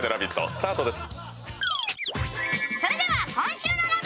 スタートです。